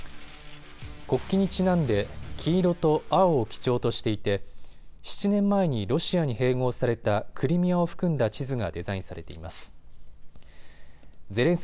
国旗にちなんで黄色と青を基調としていて７年前にロシアに併合されたクリミアを含んだ地図がデザインされています。